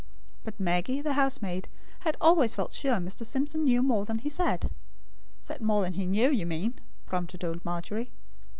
But Maggie, the housemaid, had always felt sure Mr. Simpson knew more than he said. "Said more than he knew, you mean," prompted old Margery.